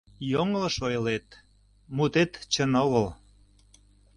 Йоҥылыш ойлет, мутет чын огыл.